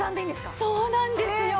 そうなんですよ！